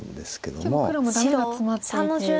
結構黒もダメがツマっていて。